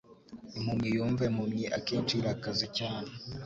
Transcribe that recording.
Impumyi yumva impumyi akenshi irakaze cyane